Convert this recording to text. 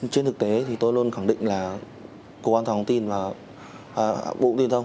trên thực tế thì tôi luôn khẳng định là cộng quan thông tin và bộ công tin thông